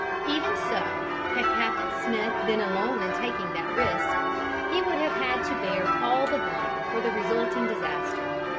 Even so, had Captain Smith been alone in taking that risk, he would have had to bear all the blame for the resulting disaster.